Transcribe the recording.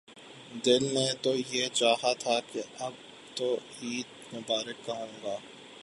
دل نے تو یہ چاہا تھا کہ آپ کو عید مبارک کہوں گا۔